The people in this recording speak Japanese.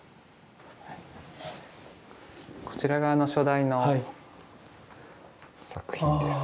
こちらが初代の作品です。